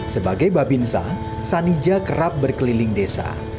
sebagai babinsa sanija kerap berkeliling desa